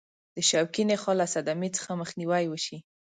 د شوکي نخاع له صدمې څخه مخنیوي وشي.